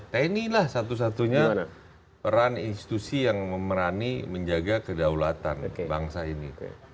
tni lah satu satunya peran institusi yang memerani menjaga kedaulatan bangsa ini